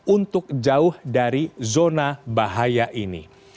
untuk jauh dari zona bahaya ini